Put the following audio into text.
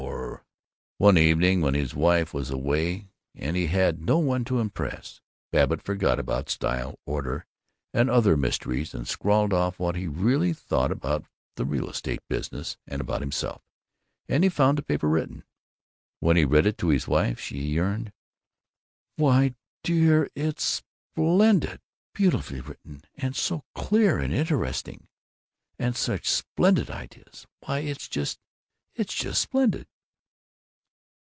or " One evening when his wife was away and he had no one to impress, Babbitt forgot about Style, Order, and the other mysteries, and scrawled off what he really thought about the real estate business and about himself, and he found the paper written. When he read it to his wife she yearned, "Why, dear, it's splendid; beautifully written, and so clear and interesting, and such splendid ideas! Why, it's just it's just splendid!"